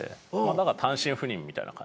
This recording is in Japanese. だから単身赴任みたいな感じで。